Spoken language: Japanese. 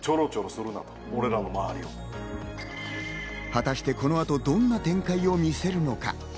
果たしてこの後、どんな展開を見せるのか。